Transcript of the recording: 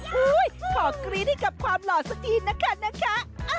คอยกรี๊ดให้กับความหล่อซะทีนะคะนะคะ